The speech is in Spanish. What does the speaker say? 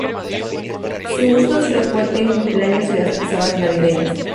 Su uso es frecuente en cumpleaños y las posadas navideñas.